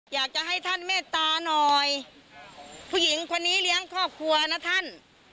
อยากจะให้ท่านเมตตาหน่อยผู้หญิงคนนี้เลี้ยงครอบครัวนะท่าน